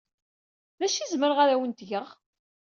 D acu ay zemreɣ ad awent-t-geɣ?